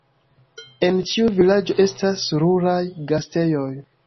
En ĉiu vilaĝo estas ruraj gastejoj.